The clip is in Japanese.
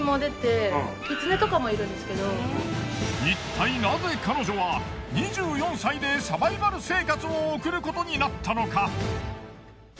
いったいナゼ彼女は２４歳でサバイバル生活を送ることになったのか！？